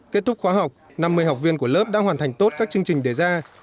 kết thúc khóa học năm mươi học viên của lớp đã hoàn thành tốt các chương trình đề ra